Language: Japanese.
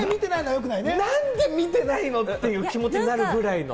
何で見てないの？っていう気持ちになるぐらいの。